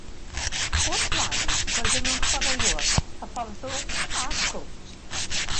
O'r blaen, roedd yn chwaraewr, hyfforddwr, a sgowt.